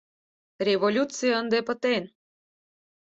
— Революций ынде пытен!